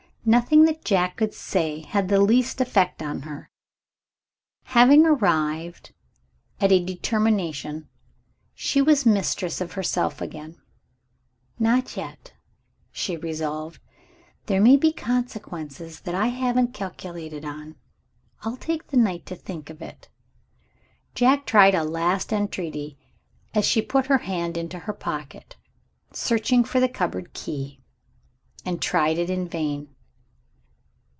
Nothing that Jack could say had the least effect on her. Having arrived at a determination, she was mistress of herself again. "Not yet," she resolved; "there may be consequences that I haven't calculated on. I'll take the night to think of it." Jack tried a last entreaty as she put her hand into her pocket, searching for the cupboard key, and tried it in vain.